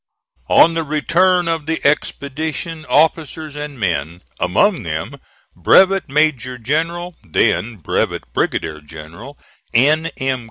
On the return of the expedition officers and men among them Brevet Major General (then Brevet Brigadier General) N. M.